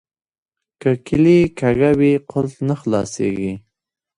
که کیلي کږه وي قلف نه خلاصیږي.